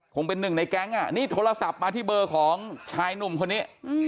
คงเป็นหนึ่งในแก๊งอ่ะนี่โทรศัพท์มาที่เบอร์ของชายหนุ่มคนนี้